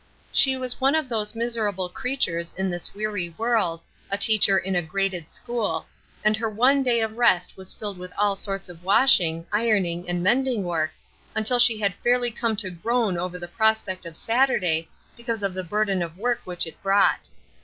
She was one of those miserable creatures in this weary world, a teacher in a graded school, and her one day of rest was filled with all sorts of washing, ironing and mending work, until she had fairly come to groan over the prospect of Saturday because of the burden of work which it brought.